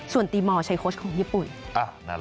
ส่วนตีมอร์ใช้โค้ชของญี่ปุ่น